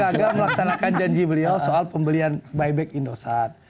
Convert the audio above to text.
saya gagal melaksanakan janji beliau soal pembelian buyback indosat